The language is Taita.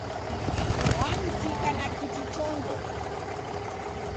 Wantika na kiti chongo